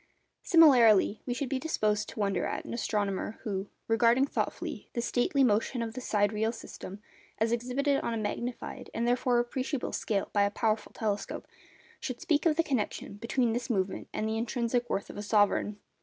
Similarly, we should be disposed to wonder at an astronomer who, regarding thoughtfully the stately motion of the sidereal system, as exhibited on a magnified, and, therefore, appreciable scale by a powerful telescope, should speak of the connection between this movement and the intrinsic worth of a sovereign.